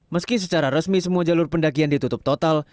meski secara resmi semua jalur pendakian ditutup total